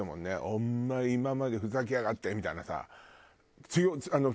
「お前今までふざけやがって！」みたいなさ。